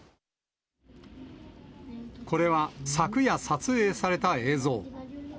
これは昨夜撮影された映像。